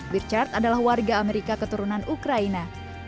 birchard adalah warga amerika keturunan ukraina